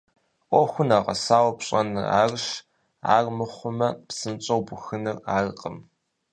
Ӏуэхур нэгъэсауэ пщӀэныр арщ, армыхъумэ псынщӀэу бухыныр аркъым.